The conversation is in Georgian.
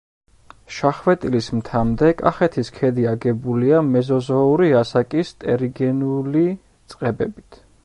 შახვეტილის მთამდე კახეთის ქედი აგებულია მეზოზოური ასაკის ტერიგენული წყებებით.